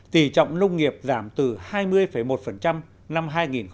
tì trọng nông nghiệp giảm từ hai mươi một năm hai nghìn một mươi một